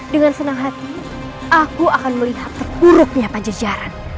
dengan senang hati aku akan melihat terburuknya panjejaran